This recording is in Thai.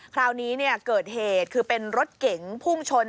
คราวนี้เกิดเหตุคือเป็นรถเก๋งพุ่งชน